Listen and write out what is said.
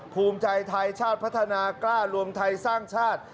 ภูมิใจไทยชาติพัฒนากล้ารวมไทยสร้างชาติ